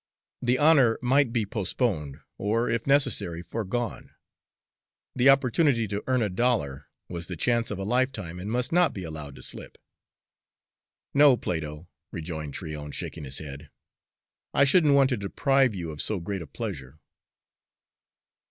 The honor might be postponed or, if necessary, foregone; the opportunity to earn a dollar was the chance of a lifetime and must not be allowed to slip. "No, Plato," rejoined Tryon, shaking his head, "I shouldn't want to deprive you of so great a pleasure."